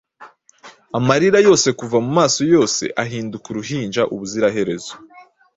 Amarira yose kuva mumaso yose ahinduka uruhinja ubuziraherezo.